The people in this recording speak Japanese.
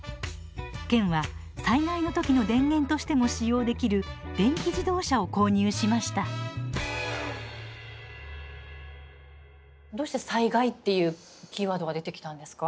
県は災害の時の電源としても使用できる電気自動車を購入しましたどうして「災害」っていうキーワードが出てきたんですか？